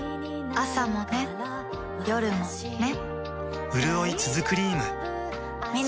朝もね、夜もね